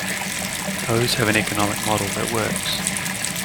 Those have an economic model that works.